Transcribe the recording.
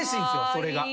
それが。